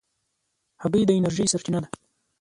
هګۍ د انرژۍ سرچینه ده.